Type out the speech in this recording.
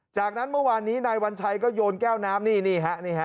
จากนั้นเมื่อวานนี้นายวัญชัยก็โยนแก้วน้ำนี่ฮะนี่ฮะ